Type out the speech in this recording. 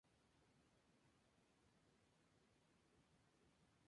En estas y en el acto de votar mostraba siempre imparcialidad y rectitud.